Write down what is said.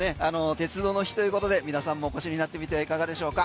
鉄道の日ということで皆さんもお越しになってみてはいかがでしょうか？